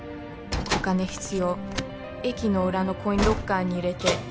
お金必要駅の裏のコインロッカーに入れて